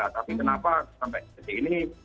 tapi kenapa sampai detik ini